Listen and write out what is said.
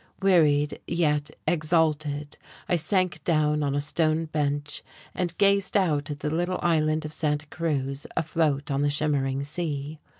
Wearied, yet exalted, I sank down on a stone bench and gazed out at the little island of Santa Cruz afloat on the shimmering sea.